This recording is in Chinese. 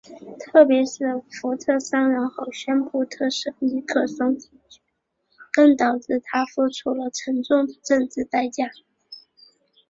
特别是福特上任后宣布特赦尼克松之举更导致他付出了沉重的政治代价。